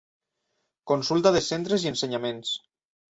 Consulta de centres i ensenyaments.